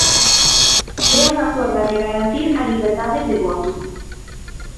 É unha forma de garantir a liberdade de voto.